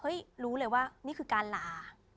รู้เลยว่านี่คือการลา